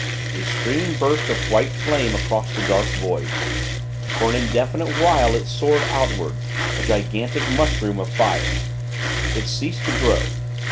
A streaming burst of white flame across the dark void. For an indefinite while, it soared outward a gigantic mushroom of fire. It ceased to grow.